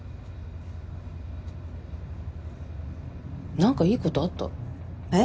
何かいいことあった？え？